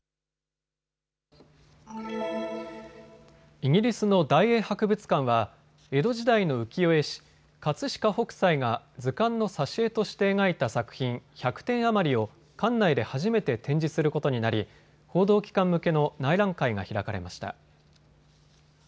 イギリスの大英博物館は江戸時代の浮世絵師、葛飾北斎が図鑑の挿絵として描いた作品、１００点余りを館内で初めて展示することになり報道機関向けの内覧会が開かれました。